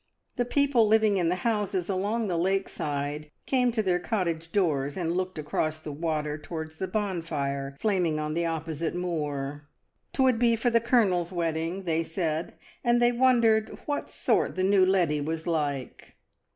The people living in the houses along the lake side came to their cottage doors, and looked across the water towards the bonfire flaming on the oppo site moor. 'Twould be for the Colonel's wedding, they said, and they wondered "what sort the new leddy was like."